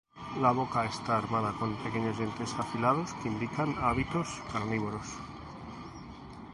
La boca está armada con pequeños dientes afilados que indican hábitos carnívoros.